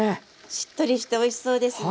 しっとりしておいしそうですね。